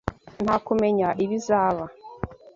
Nta kumenya ibizaba.